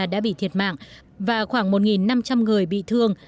đã bị thiệt mạng và khoảng một năm trăm linh người bị thương